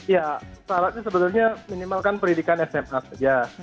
ya syaratnya sebenarnya minimalkan pendidikan sma saja